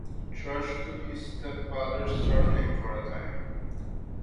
Church took his stepfather's surname for a time.